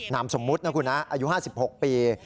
นามสมมุตินะคุณนะอายุ๕๖ปี